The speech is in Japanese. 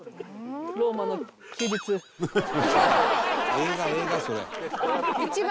「映画映画それ」